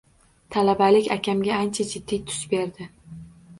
Talabalik akamga ancha jiddiy tus berdi